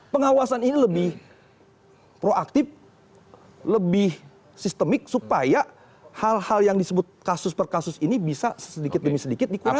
pengawasan ini lebih proaktif lebih sistemik supaya hal hal yang disebut kasus per kasus ini bisa sedikit demi sedikit dikurangi